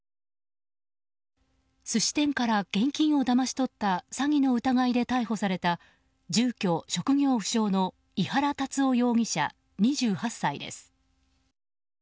寿司店から現金をだまし取った詐欺の疑いで逮捕された住居・職業不詳の井原龍夫容疑者、２８歳です。